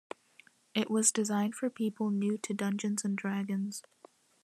It was designed for people new to "Dungeons and Dragons".